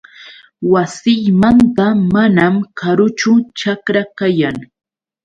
Wasiymanta manam karuchu ćhakra kayan.